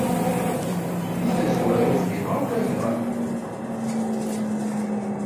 Deg tazwara ur fhimeɣ akk ayɣer.